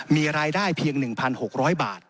มีรายได้เพียง๑๖๐๐บาท